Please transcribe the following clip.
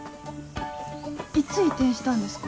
いつ移転したんですか？